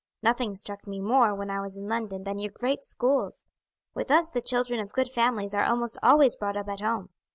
Nothing struck me more when I was in London than your great schools. With us the children of good families are almost always brought up at home.